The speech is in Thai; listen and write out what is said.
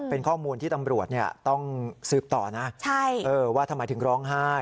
เป็นข้อมูลที่ตำรวจต้องสืบต่อนะว่าทำไมถึงร้องไห้